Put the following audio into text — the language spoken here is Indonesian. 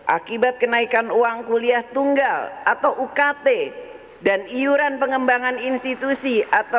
akibat kenaikan uang kuliah tunggal atau ukt dan iuran pengembangan institusi